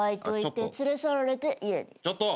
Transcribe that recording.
ちょっと。